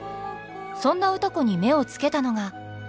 そんな歌子に目をつけたのが。